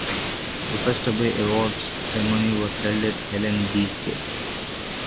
The first Obie Awards ceremony was held at Helen Gee's cafe.